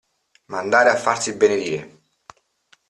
Mandare a farsi benedire.